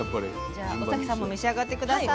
じゃあ尾碕さんも召し上がって下さい。